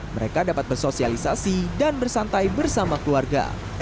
mereka dapat bersosialisasi dan bersantai bersama keluarga